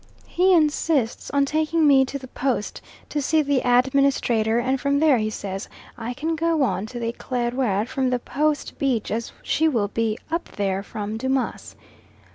He insists on taking me to the Post to see the Administrator, and from there he says I can go on to the Eclaireur from the Post beach, as she will be up there from Dumas'.